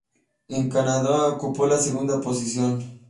En Canadá, ocupó la segunda posición.